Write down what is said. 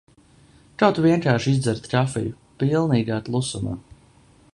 Kaut vienkārši izdzert kafiju pilnīgā klusumā.